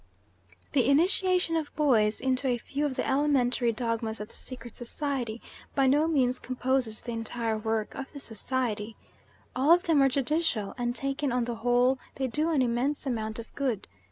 The initiation of boys into a few of the elementary dogmas of the secret society by no means composes the entire work of the society. All of them are judicial, and taken on the whole they do an immense amount of good.